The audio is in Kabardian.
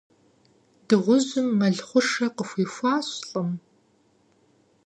Дыгъужьым мэл хъушэ къыхуихуащ лӏым.